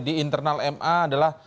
di internal ma adalah